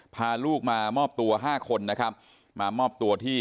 พาลูกมามอบตัวห้าคนนะครับมามอบตัวที่